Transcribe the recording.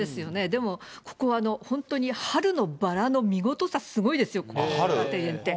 でもここは本当に春のバラの見事さ、すごいですよ、ここの古河庭園って。